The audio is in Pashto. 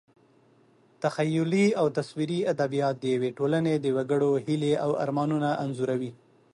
تخیلي او تصویري ادبیات د یوې ټولنې د وګړو هیلې او ارمانونه انځوروي.